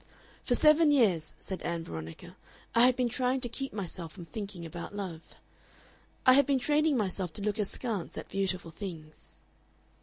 "For seven years," said Ann Veronica, "I have been trying to keep myself from thinking about love.... "I have been training myself to look askance at beautiful things."